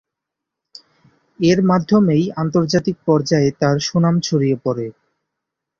এর মাধ্যমেই আন্তর্জাতিক পর্যায়ে তার সুনাম ছড়িয়ে পড়ে।